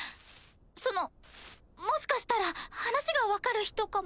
そのもしかしたら話が分かる人かも。